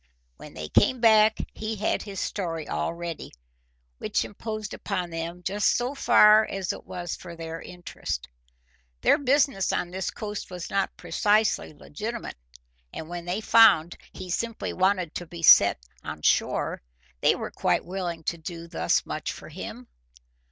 When they came back he had his story all ready, which imposed upon them just so far as it was for their interest. Their business on this coast was not precisely legitimate, and when they found he simply wanted to be set on shore, they were quite willing to do thus much for him.